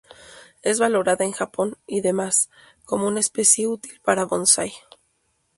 Es valorada en Japón y demás, como una especie útil para bonsái.